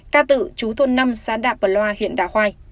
ca tự chú thôn năm xã đạp bờ loa huyện đạ khoai